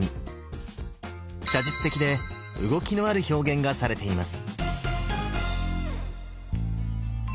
写実的で動きのある表現がされています。